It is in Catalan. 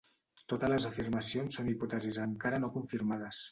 Totes les afirmacions són hipòtesis encara no confirmades.